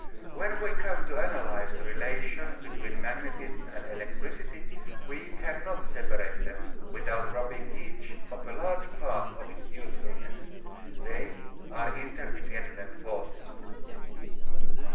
When we come to analyze the relation between magnetism and electricity we cannot separate them without robbing each of a large part of its usefulness. They are interdependent forces.